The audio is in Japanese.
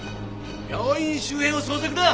病院周辺を捜索だ！